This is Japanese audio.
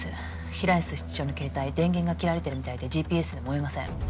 平安室長の携帯電源が切られているみたいでＧＰＳでも追えません。